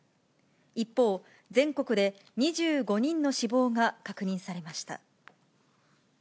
一方、全国で２５人の死亡が確認されました。